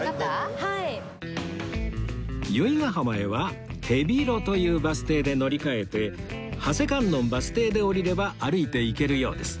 由比ガ浜へは手広というバス停で乗り換えて長谷観音バス停で降りれば歩いて行けるようです